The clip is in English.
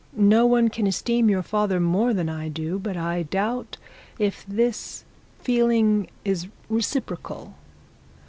No one can esteem your father more than I do, but I doubt if this feeling is reciprocal.'